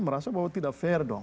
merasa bahwa tidak fair dong